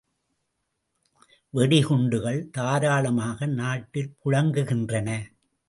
வெடி குண்டுகள் தாராளமாக நாட்டில் புழங்குகின்றன.